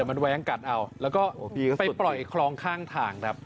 มันแว้งกัดเอาแล้วก็ไปปล่อยคลองข้างทางครับ